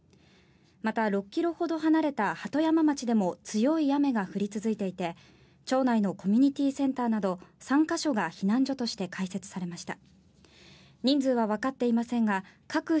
また、６ｋｍほど離れた鳩山町でも強い雨が降り続いていて町内のコミュニティーセンターなど３か所が避難所として開設されました。